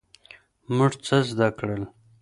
موږ څه زده کړل؟